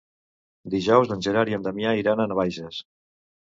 Dijous en Gerard i en Damià iran a Navaixes.